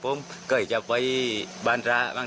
สมมติถ้าไม่มีใครในทาง